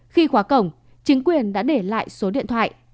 khi khóa cổng chính quyền đã để lại số điện thoại